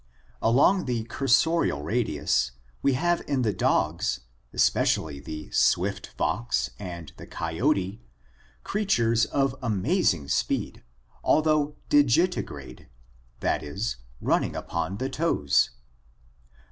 Along the cursorial radius we have in the dogs, especially the swift fox and the coyote, creatures of amazing speed although digitigrade, that is, running upon the toes.